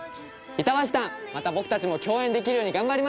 板橋さんまた僕たちも共演できるように頑張ります！